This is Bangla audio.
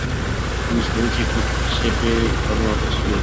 তিনি সঙ্গীত শিক্ষক হিসেবে কর্মরত ছিলেন।